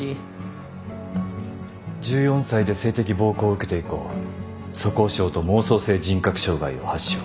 １４歳で性的暴行を受けて以降素行症と妄想性人格障害を発症。